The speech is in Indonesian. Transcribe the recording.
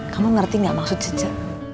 kamu ngerti gak maksud jejak